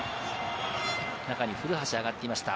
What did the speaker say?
中に古橋が上がっていました。